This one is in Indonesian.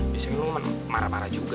biasanya lo mah marah marah juga